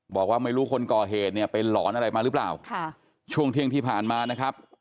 บอกว่าไม่รู้คนก่อเหตุเนี่ยเป็นหลอนอะไรมาหรือเปล่าค่ะช่วงเที่ยงที่ผ่านมานะครับ